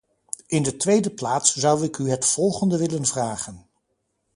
In de tweede plaats zou ik u het volgende willen vragen.